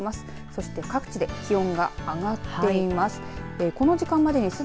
そして各地で気温が上がっています。